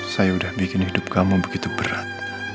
saya udah bikin hidup kamu begitu berat